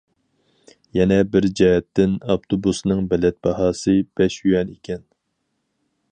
يەنە بىر جەھەتتىن، ئاپتوبۇسنىڭ بېلەت باھاسى بەش يۈەن ئىكەن.